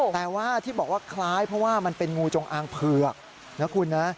แต่ว่าที่บอกว่าคล้ายเพราะว่ามันเป็นงูจงอางเผือกนะคุณนะ